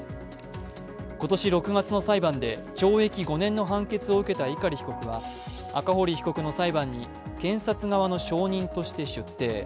今年６月の裁判で懲役５年の判決を受けた碇被告は赤堀被告の裁判に検察側の証人として出廷。